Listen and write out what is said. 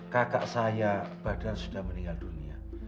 kakak saya badan sudah meninggal dunia